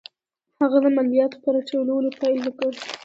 هغه د مالیاتو په راټولولو پیل وکړ.